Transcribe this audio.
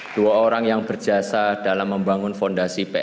dua orang yang berjasa dalam membangun fondasi pln